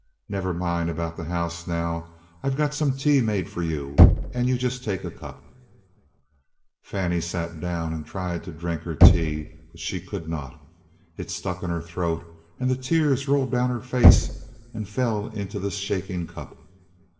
Never mind about the house now. I 've got some tea made for you, and you just take a cup." Fannie sat down and tried to drink her tea, but she could not. It stuck in her throat, and the tears rolled down her face and fell into the shaking cup.